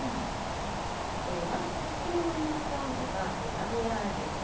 まずトッピングに使うのが油揚げですね。